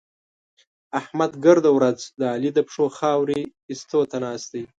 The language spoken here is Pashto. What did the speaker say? احمد ګرده ورځ د علي د پښو خاورې اېستو ته ناست دی.